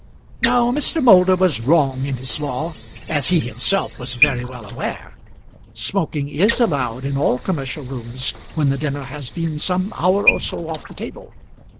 Now Mr. Moulder was wrong in his law, as he himself was very well aware. Smoking is allowed in all commercial rooms when the dinner has been some hour or so off the table.